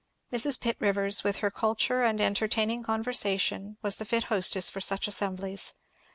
Mrs. Pitt Rivers with her culture and entertaining conversation was the fit hostess for such assemblies.